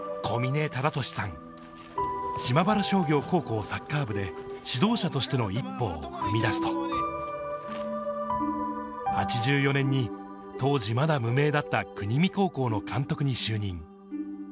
小嶺忠敏さん、島原商業高校サッカー部で指導者としての一歩を踏み出すと、８４年に当時まだ無名だった国見高校の監督に就任。